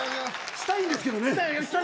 したいんですけどね。